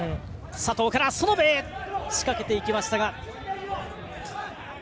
佐藤から園部仕掛けましたが。